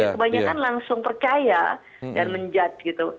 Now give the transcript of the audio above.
kebanyakan langsung percaya dan menjudge gitu